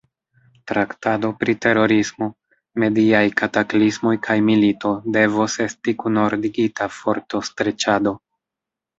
Traktado pri terorismo, mediaj kataklismoj kaj milito devos esti kunordigita fortostreĉado.